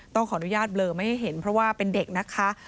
ต้องขออนุญาตเบลอไม่ให้เห็นเพราะว่าเป็นเด็กนะคะ